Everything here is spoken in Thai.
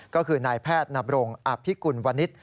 ก็คือนายแพทย์นับโรงอาภิกุลวระนิด